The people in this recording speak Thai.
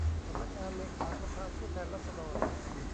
สำนักงานเลขาสภาผู้แทนราษฎร